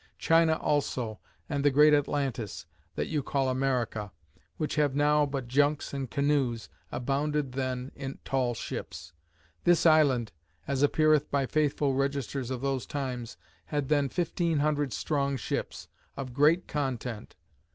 China also, and the great Atlantis, (that you call America,) which have now but junks and canoes, abounded then in tall ships. This island, (as appeareth by faithful registers of those times,) had then fifteen hundred strong ships, of great content.